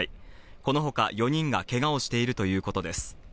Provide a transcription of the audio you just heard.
その他４人がけがをしているということです。